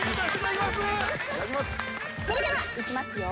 それではいきますよ。